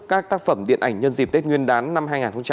các tác phẩm điện ảnh nhân dịp tết nguyên đán năm hai nghìn hai mươi